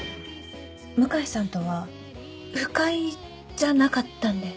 ⁉向井さんとは不快じゃなかったんで。